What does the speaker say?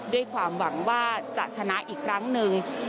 ด้วยความหวังว่าจะชนะอีกครั้งหนึ่ง